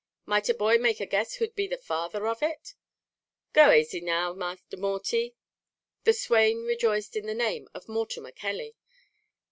"Might a boy make a guess who'd be the father of it?" "Go asy now, masther Morty," the swain rejoiced in the name of Mortimer Kelley.